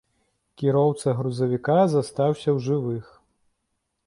Кіроўца грузавіка застаўся ў жывых.